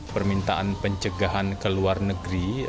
permintaan pencegahan ke luar negeri